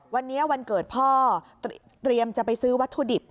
วันนี้วันเกิดพ่อเตรียมจะไปซื้อวัตถุดิบ